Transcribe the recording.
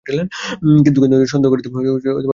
কিন্তু সন্দেহ করিতে কোনোমতেই ইচ্ছা হইল না।